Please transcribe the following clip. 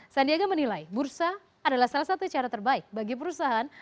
sandiaga menilai bursa adalah salah satu cara terbaik bagi perusahaan